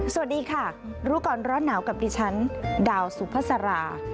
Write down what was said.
สวัสดีค่ะรู้ก่อนร้อนหนาวกับดิฉันดาวสุภาษารา